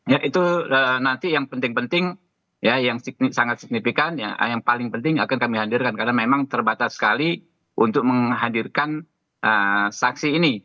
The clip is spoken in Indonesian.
ya itu nanti yang penting penting ya yang sangat signifikan yang paling penting akan kami hadirkan karena memang terbatas sekali untuk menghadirkan saksi ini